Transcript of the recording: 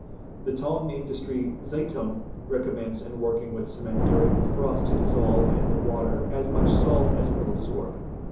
The Tonindustrie Zeitung®® recommends | in working with cement during a frost to dissolve in the water as much salt as it will absorb.